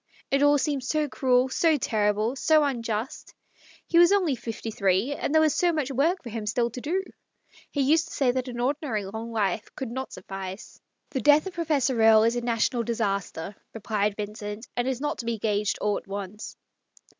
It all seems so cruel, so terrible, so unjust. He was only fifty three, and there was so much work for him still to do. He used to say that an ordinary long life could not suffice "" The death of Professor Erie is a national d isaster," replied Vincent, " and is not to be gauged all at once."